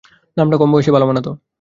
নামটা কম বয়সেই ভালো মানাতো।